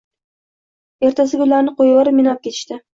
Ertasiga ularni qo‘yvorib meni opketishdi.